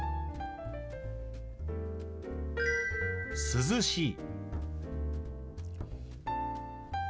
「涼しい」。